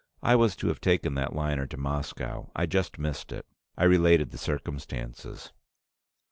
I was to have taken that liner to Moscow. I just missed it." I related the circumstances.